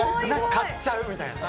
買っちゃうみたいな。